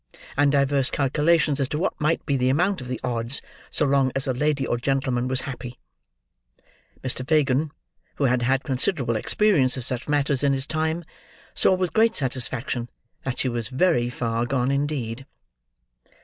and divers calculations as to what might be the amount of the odds so long as a lady or gentleman was happy, Mr. Fagin, who had had considerable experience of such matters in his time, saw, with great satisfaction, that she was very far gone indeed.